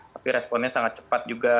tapi responnya sangat cepat juga